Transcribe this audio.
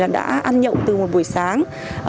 đã ăn nhậu từ một buổi sáng